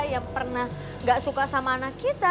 yang pernah gak suka sama anak kita